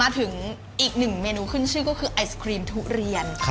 อีกหนึ่งเมนูขึ้นชื่อก็คือไอศครีมทุเรียน